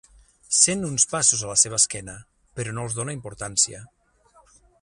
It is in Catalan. Sent uns passos a la seva esquena, però no els dóna importància.